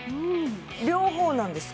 両方なんですか？